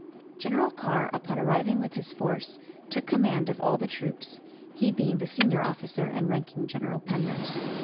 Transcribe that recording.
General Carr, upon arriving with his force, took command of all the troops, he being the senior officer and ranking General Penrose.